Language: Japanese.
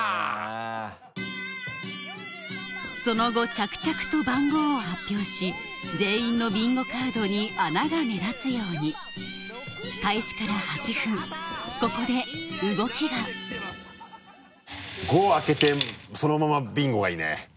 その後着々と番号を発表し全員のビンゴカードに穴が目立つように開始から８分ここで動きが５開けてそのままビンゴがいいね。